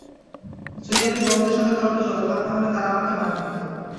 যদি আমি বড়দের সঙ্গে তর্কে জড়াতাম, তাহলে তারা আমাকে মার দিত।